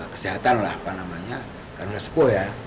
kesehatan lah apa namanya karena sepuh ya